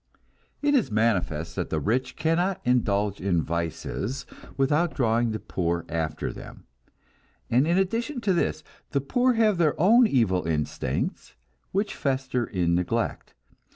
It is manifest that the rich cannot indulge in vices, without drawing the poor after them; and in addition to this, the poor have their own evil instincts, which fester in neglect.